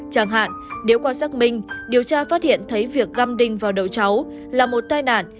chẳng hạn nếu qua xác minh điều tra phát hiện thấy việc găm đinh vào đầu cháu là một tai nạn